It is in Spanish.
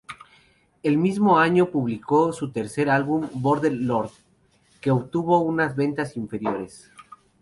El mismo año publicó su tercer álbum, "Border Lord", que obtuvo unas ventas inferiores.